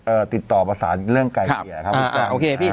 เออติดต่อภาษารเรื่องไกลเผลี่ยครับ